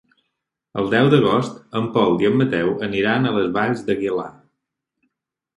El deu d'agost en Pol i en Mateu aniran a les Valls d'Aguilar.